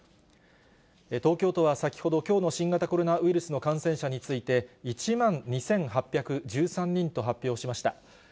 東京都は先ほど、きょうの新型コロナウイルスの感染者について、１万２８１３人と発表しました。